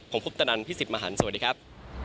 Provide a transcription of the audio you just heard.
ผมพุทธนันทร์พี่สิทธิ์มหันศ์สวัสดีครับ